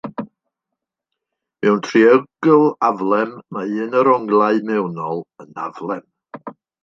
Mewn triongl aflem, mae un o'r onglau mewnol yn aflem.